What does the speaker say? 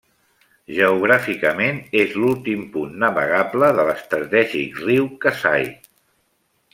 Geogràficament és l'últim punt navegable de l'estratègic riu Kasai.